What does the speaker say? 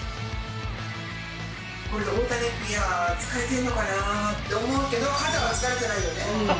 大谷君、今疲れてるのかなと思うけど、肌は疲れてないよね。